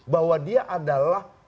bahwa dia adalah